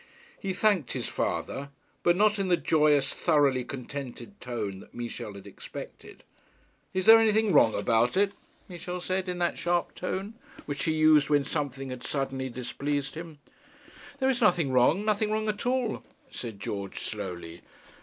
He thanked his father; but not in the joyous thoroughly contented tone that Michel had expected. 'Is there anything wrong about it?' Michel said in that sharp tone which he used when something had suddenly displeased him. 'There is nothing wrong; nothing wrong at all,' said George slowly.